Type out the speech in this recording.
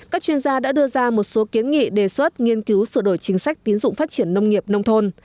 các chuyên gia đã đưa ra một số kiến nghị đề xuất nghiên cứu sửa đổi chính sách tín dụng phát triển nông nghiệp nông thôn